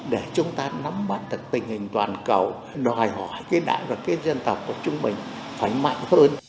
để chúng ta nắm bắt tình hình toàn cầu đòi hỏi cái đảng và cái dân tộc của chúng mình phải mạnh hơn